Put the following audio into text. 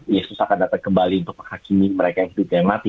yesus akan datang kembali untuk menghakimi mereka yang ditembak mati